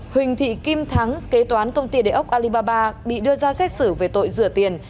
huỳnh thị kim thắng kế toán công ty địa ốc alibaba bị đưa ra xét xử về tội rửa tiền